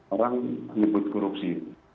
orang menyebut korupsi